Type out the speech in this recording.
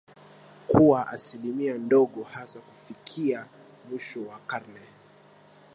kuwa asilimia ndogo hasa kufikia mwisho wa karne